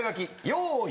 用意。